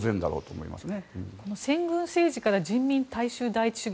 先軍政治から人民大衆第一主義。